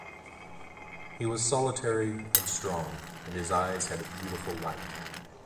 He was solitary and strong, and his eyes had a beautiful light.